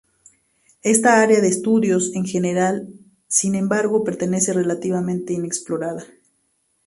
Esta área de estudio en general, sin embargo, permanece relativamente inexplorada.